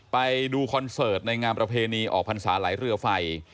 ไปดูคอนเสิร์ตในงานประเพณีออกพรรษาไหลเรือไฟ